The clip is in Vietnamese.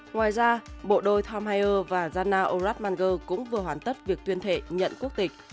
ngoài ra bộ đôi tom heyer và jana oratmanger cũng vừa hoàn tất việc tuyên thệ nhận quốc tịch